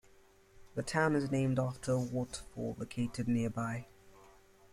The town is named after a waterfall located nearby.